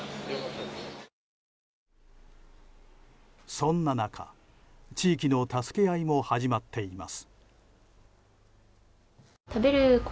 そんな中、地域の助け合いも始まっています。